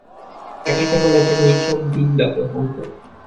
এটা কেবলই একটা নিছক বিদ্যা, প্রশান্ত।